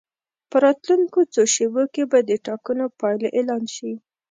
په راتلونکو څو شېبو کې به د ټاکنو پایلې اعلان شي.